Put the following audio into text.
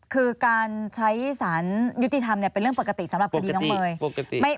คือการใช้สารยุติธรรมเป็นเรื่องปกติสำหรับคดีน้องเมย์